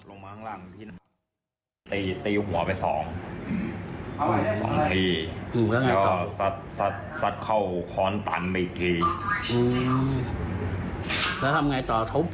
อืมแล้วทำยังไงต่อเขาเสร็จแล้วยังไงต่อครับ